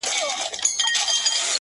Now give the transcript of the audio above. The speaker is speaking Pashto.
د دې خلګو قریبان دي او دوستان دي.